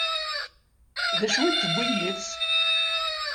D acu i d-tewwi yid-s?